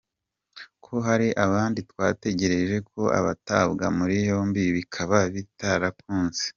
Ko hari abandi twategerje ko batabwa muri yombi bikaba bitarakunze.